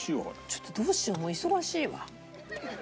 ちょっとどうしようもう忙しいわ。